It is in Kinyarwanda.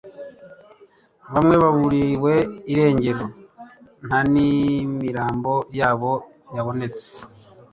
Bamwe baburiwe irengero ntanimirambo yabo yabonetse